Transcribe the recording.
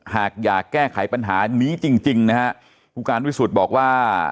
หากอยากแก้ไขปัญหานี้จริงจริงนะฮะผู้การวิสุทธิ์บอกว่า